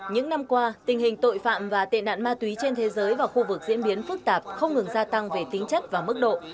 những năm qua tình hình tội phạm và tệ nạn ma túy trên thế giới và khu vực diễn biến phức tạp không ngừng gia tăng về tính chất và mức độ